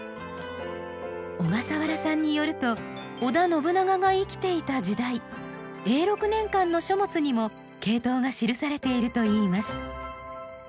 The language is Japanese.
小笠原さんによると織田信長が生きていた時代永禄年間の書物にもケイトウが記されているといいます。